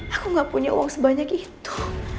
aku gak punya uang sebanyak itu